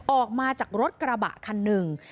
ออกมาจากรถกระบะคันหนึ่ง